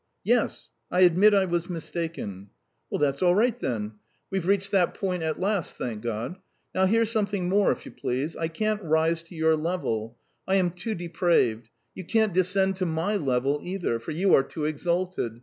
"Yes, I admit I was mistaken." "Well, that's all right, then. We've reached that point at last, thank God. Now hear something more, if you please: I can't rise to your level I am too depraved; you can't descend to my level, either, for you are too exalted.